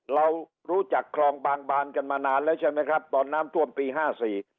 เรารู้จักคลองบางบานกันมานานแล้วใช่ไหมครับตอนน้ำท่วมปีห้าสี่